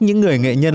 những người nghệ nhân